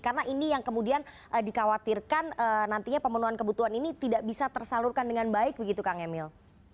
karena ini yang kemudian dikhawatirkan nantinya pemenuhan kebutuhan ini tidak bisa tersalurkan dengan baik begitu kang emil